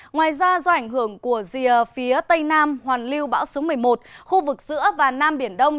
ngoài ra do ảnh hưởng của rìa phía tây nam hoàn lưu bão số một mươi một khu vực giữa và nam biển đông